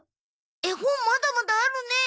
絵本まだまだあるね。